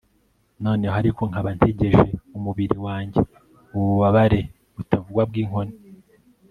none ariko nkaba ntegeje umubiri wanjye ubu bubabare butavugwa bw'inkoni